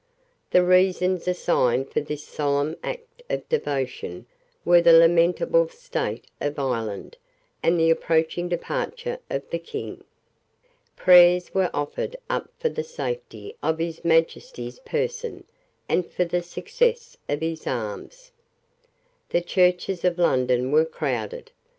The reasons assigned for this solemn act of devotion were the lamentable state of Ireland and the approaching departure of the King. Prayers were offered up for the safety of His Majesty's person and for the success of his arms. The churches of London were crowded.